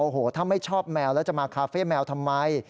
โอ้โหถ้าไม่ชอบแมวแล้วจะมาคาเฟ่แมวทำไม